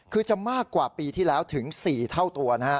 คือจะมากกว่าปีที่แล้วถึง๔เท่าตัวนะฮะ